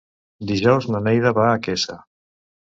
Dijous na Neida va a Quesa.